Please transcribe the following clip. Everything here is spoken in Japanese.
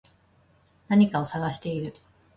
何かを探している